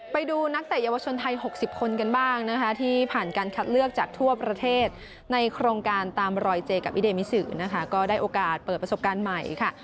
ไปดูนักเตะเยาวชนไทย๖๐คนกันบ้างนะคะที่ผ่านการคัดเลือกจากทั่วประเทศในโครงการตามรอยเจกับอิเดมิสือนะคะก็ได้โอกาสเปิดประสบการณ์ใหม่ค่ะ